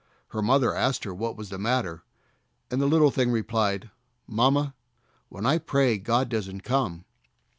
Her mother asked her what was the matter, and the little thing replied, "Mamma, when I pray God doesn't come."